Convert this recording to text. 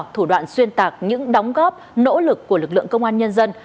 thủ đoạn xuyên tạc những đóng góp nỗ lực của lực lượng công an nhân dân